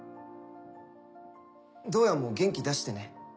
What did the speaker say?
どーやんも元気出してね。